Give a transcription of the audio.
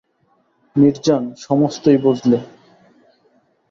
মিরজান সমস্তই বুঝলে।